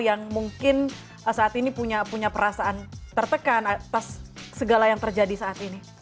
yang mungkin saat ini punya perasaan tertekan atas segala yang terjadi saat ini